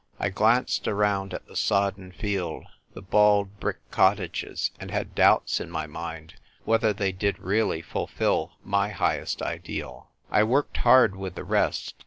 I glanced around at the sodden field, the bald brick cottages, and had doubts in my mind whether they did really fulfil my highest ideal. I worked hard with the rest.